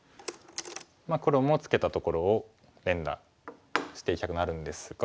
黒もツケたところを連打していきたくなるんですが。